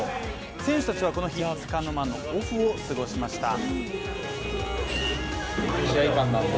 選手たちはこの日、つかの間のオフを過ごしました。